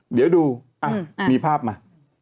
เดี๋ยวดูมีภาพมา